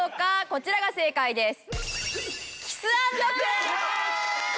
こちらが正解です。